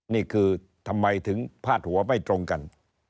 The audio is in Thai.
นี่คือทำไมถึงพาดหัวไม่ตรงกัน